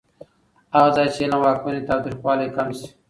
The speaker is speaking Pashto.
هغه ځای چې علم واکمن وي، تاوتریخوالی کم شي.